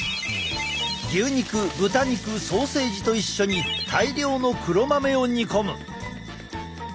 牛肉豚肉ソーセージと一緒に大量の黒豆を煮込む。